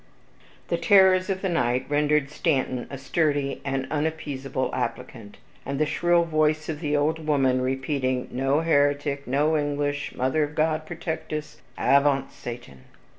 ..... The terrors of the night rendered Stanton a sturdy and unappeasable applicant; and the shrill voice of the old woman, repeating, "no heretic no English Mother of God protect us avaunt Satan!"